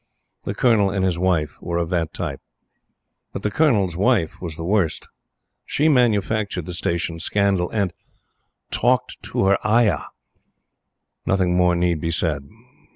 The Colonel and his Wife were of that type. But the Colonel's Wife was the worst. She manufactured the Station scandal, and TALKED TO HER AYAH! Nothing more need be said.